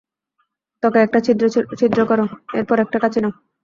ত্বকে একটা ছিদ্র করো, এরপর একটা কাঁচি নাও।